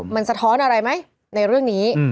มันสะท้อนอะไรไหมในเรื่องนี้